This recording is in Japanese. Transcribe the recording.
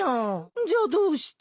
じゃあどうして？